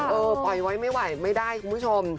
เออปล่อยไว้ไม่ไหวไม่ได้คุณผู้ชม